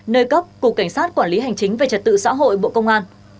nơi cấp cục cảnh sát quản lý hành chính về trật tự xã hội bộ công an